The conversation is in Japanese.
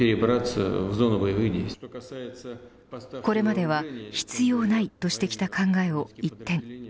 これまでは必要ないとしてきた考えを一転。